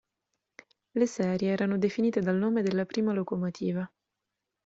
Le serie erano definite dal nome della prima locomotiva.